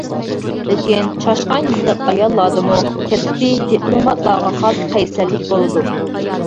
لېكىن، چاشقان يىللىق ئاياللاردىمۇ كەسپىي دىپلوماتلارغا خاس قەيسەرلىك بولىدۇ.